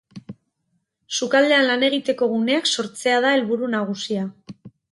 Sukaldean lan egiteko guneak sortzea da helburu nagusia.